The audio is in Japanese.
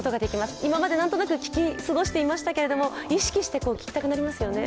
今までなんとなくきき過ごしていましたけれども、意識して聴きたくなりますよね。